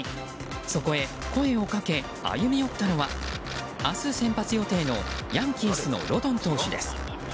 そこへ声をかけ歩み寄ったのは明日、先発予定のヤンキースのロドン投手です。